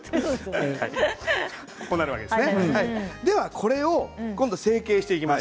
これを成形していきます。